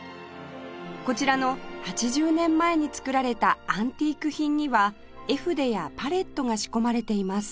こちらの８０年前に作られたアンティーク品には絵筆やパレットが仕込まれています